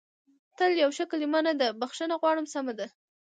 تل یوه ښه کلمه نه ده، بخښنه غواړم، سمه ده.